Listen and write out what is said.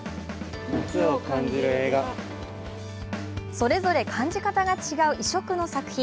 それぞれ感じ方が違う異色の作品。